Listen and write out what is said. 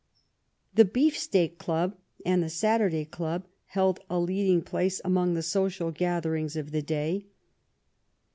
The Beef Steak Club and the Saturday Club held a leading place among the social gatherings of the day.